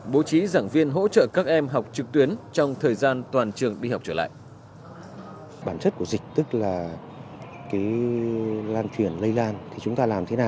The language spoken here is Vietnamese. bố trí giảng viên hỗ trợ các em học trực tuyến trong thời gian toàn trường đi học trở lại